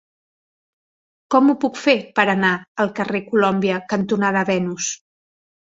Com ho puc fer per anar al carrer Colòmbia cantonada Venus?